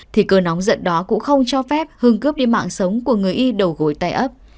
thì cơn nóng giận đó cũng không cho phép hưng cướp đi mạng sống của người y đầu gồi tay ấp